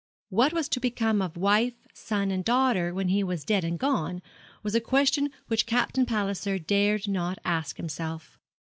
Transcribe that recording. What was to become of wife, son and daughter when he was dead and gone, was a question which Captain Palliser dared not ask himself.